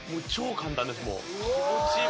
うわ気持ちいい